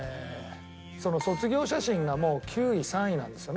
その『卒業写真』がもう９位３位なんですよね